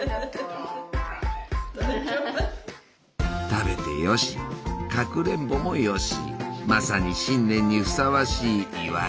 食べてよしかくれんぼもよしまさに新年にふさわしい祝い菓子だ。